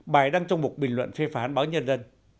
bài đăng trong một bình luận phê phán báo nhân dân